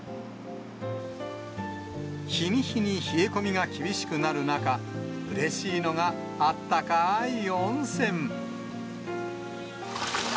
日に日に冷え込みが厳しくなる中、うれしいのがあったかい温泉。